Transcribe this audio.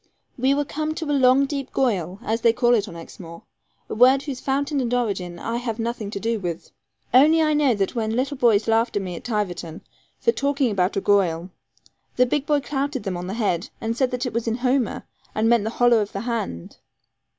We were come to a long deep 'goyal,' as they call it on Exmoor, a word whose fountain and origin I have nothing to do with. Only I know that when little boys laughed at me at Tiverton, for talking about a 'goyal,' a big boy clouted them on the head, and said that it was in Homer, and meant the hollow of the hand.